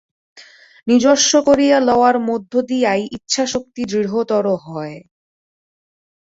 নিজস্ব করিয়া লওয়ার মধ্য দিয়াই ইচ্ছাশক্তি দৃঢ়তর হয়।